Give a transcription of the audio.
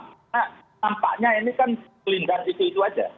karena tampaknya ini kan kelinggan itu itu saja